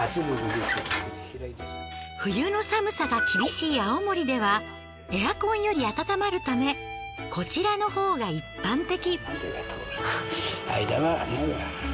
冬の寒さが厳しい青森ではエアコンより暖まるためこちらのほうが一般的。